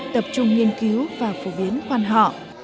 tập trung nghiên cứu và phổ biến quan hậu